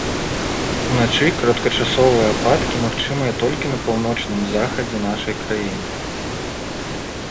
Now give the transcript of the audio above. Уначы кароткачасовыя ападкі магчымыя толькі на паўночным захадзе нашай краіны.